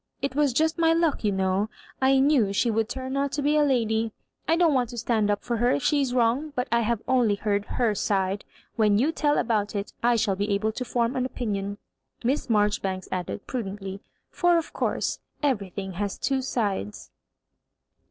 '* It was just my luck, you know. I knew she would turn out to be a lady. I don't want to stand up for her if she is wrong ; but I have only heard her side. When you tell about it, I shall be able to form an opinion," Miss Marjori banks added, prudently; "for of course eveiy thing has two sides."